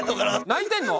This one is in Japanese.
泣いてんの？